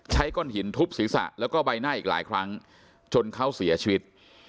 ก้อนหินทุบศีรษะแล้วก็ใบหน้าอีกหลายครั้งจนเขาเสียชีวิต